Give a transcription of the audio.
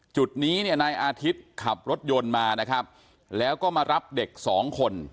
จุดนี้เนี่ยนายอาทิตย์ขับรถยนต์มานะครับแล้วก็มารับเด็กสองคน